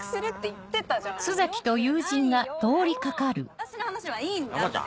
私の話はいいんだって。